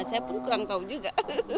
saya pun kurang tahu juga